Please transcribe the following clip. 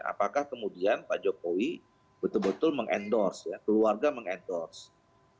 apakah kemudian pak jokowi betul betul mengendorse ya keluarga meng endorse